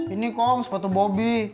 ini kong sepatu bobi